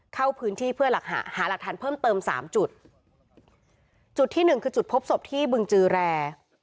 เข้าพื้นที่เพื่อหาหาหลักฐานเพิ่มเติมสามจุดจุดที่หนึ่งคือจุดพบศพที่บึงจือแร